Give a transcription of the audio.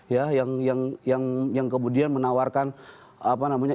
ya yang kemudian menawarkan apa namanya